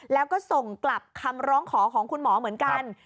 แล้วก็ส่งกลับคำร้องขอของคุณหมอเหมือนกัน